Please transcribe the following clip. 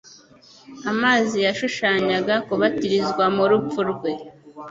Amazi yashushanyaga kubatirizwa mu rupfu rwe